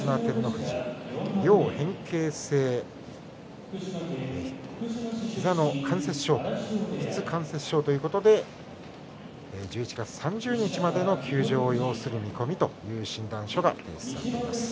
両変形性膝の関節症しつ関節症ということで１１月３０日までの休場を要する見込みという診断書が出ました。